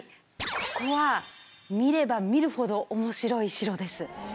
ここは見れば見るほど面白い城です。